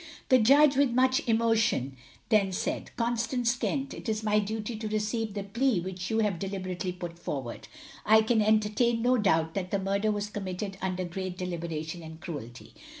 The Judge, with much emotion, then said Constance Kent, it is my duty to receive the plea which you have deliberately put forward. I can entertain no doubt that the murder was committed under great deliberation and cruelty.